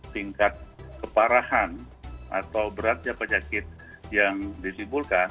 tingkat keparahan atau beratnya penyakit yang disibulkan